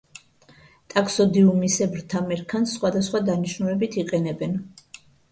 ტაქსოდიუმისებრთა მერქანს სხვადასხვა დანიშნულებით იყენებენ.